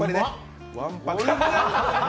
わんぱく！